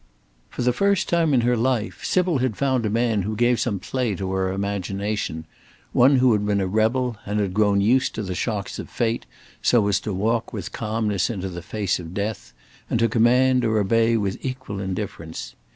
For the first time in her life, Sybil had found a man who gave some play to her imagination; one who had been a rebel, and had grown used to the shocks of fate, so as to walk with calmness into the face of death, and to command or obey with equal indifference.